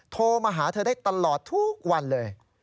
โทรมาหาเธอได้ตลอดทุกวันเลย